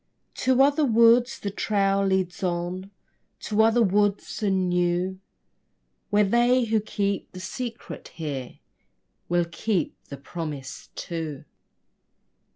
To other woods the trail leads on, To other worlds and new, Where they who keep the secret here Will keep the promise too.